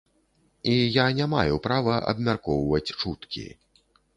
І я не маю права абмяркоўваць чуткі.